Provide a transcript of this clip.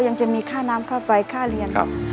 ยังจะมีค่าน้ำค่าไฟค่าเรียน